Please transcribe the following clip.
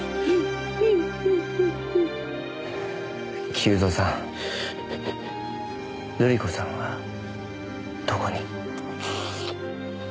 久造さん瑠璃子さんはどこに？